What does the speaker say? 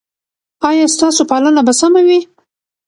ایا ستاسو پالنه به سمه وي؟